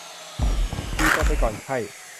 ตีตนไปก่อนไข้